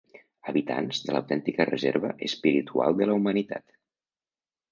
Habitants de l'autèntica reserva espiritual de la humanitat.